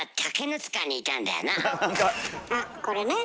あっこれね。